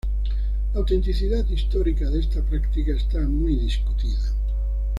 La autenticidad histórica de esta práctica está muy discutida.